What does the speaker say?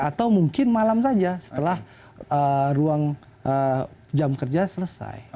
atau mungkin malam saja setelah ruang jam kerja selesai